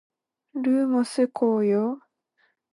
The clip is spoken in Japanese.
ルーモス光よ